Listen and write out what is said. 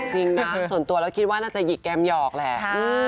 จริงนะส่วนตัวแล้วคิดว่าน่าจะหยิกแกมหยอกแหละ